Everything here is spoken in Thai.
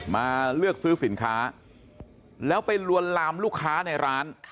มาเลือกซื้อสินค้าแล้วไปลวนลามลูกค้าในร้าน